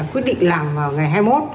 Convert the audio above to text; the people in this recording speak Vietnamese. quyết định làm vào ngày hai mươi một